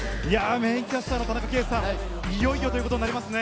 メインキャスターの田中圭さん、いよいよということになりますね。